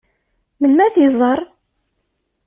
Melmi ad t-iẓeṛ?